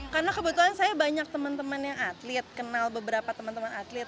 karena kebetulan saya banyak teman teman yang atlet kenal beberapa teman teman atlet